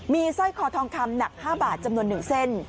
มีสร้อยคอทองคำหนัก๕บาทจำนวน๑เส้น